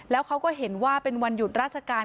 แล้วเขาก็เห็นว่าเป็นวันหยุดราชการ